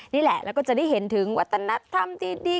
นี่แหละแล้วก็จะได้เห็นถึงวัฒนธรรมที่ดี